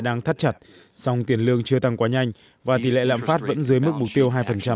đang thắt chặt song tiền lương chưa tăng quá nhanh và tỷ lệ lãm phát vẫn dưới mức mục tiêu hai